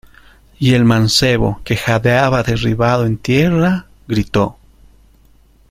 y el mancebo, que jadeaba derribado en tierra , gritó: